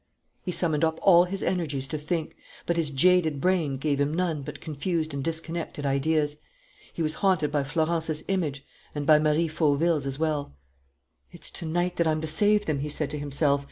He summoned up all his energies to think, but his jaded brain gave him none but confused and disconnected ideas. He was haunted by Florence's image and by Marie Fauville's as well. "It's to night that I'm to save them," he said to himself.